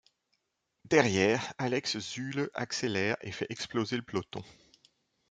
Derrière, Alex Zülle accélère et fait exploser le peloton.